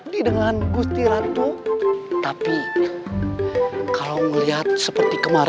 kisah bunyi kertanyakan games